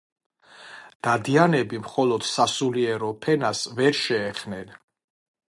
დადიანები მხოლოდ სასულიერო ფენას ვერ შეეხნენ.